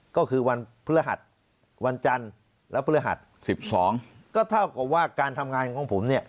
ก็คือวันพฤหัสวันจันทร์และพฤหัส๑๒ก็เท่ากับว่าการทำงานของผมเนี่ย